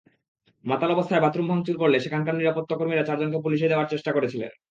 মাতাল অবস্থায় বাথরুম ভাঙচুর করলে সেখানকার নিরাপত্তাকর্মীরা চারজনকে পুলিশে দেওয়ার চেষ্টা করেছিলেন।